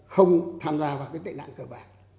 không tham gia vào cái tệ nạn cơ bản